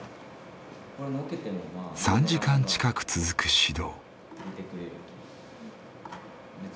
３時間近く続く指導。